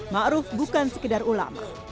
ma'ruf bukan sekedar ulama